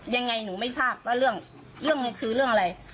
ยังไงหนูไม่ทราบว่าเรื่องมันคือเรื่องอะไร